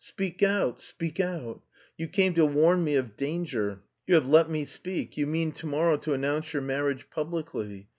"Speak out! Speak out! You came to warn me of danger. You have let me speak. You mean to morrow to announce your marriage publicly....